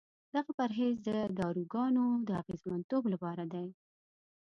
دغه پرهیز د داروګانو د اغېزمنتوب لپاره دی.